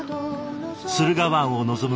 駿河湾を望む